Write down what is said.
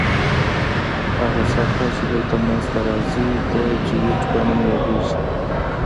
هغه سطح چې دلته منځ ته راځي د جیوئید په نوم یادیږي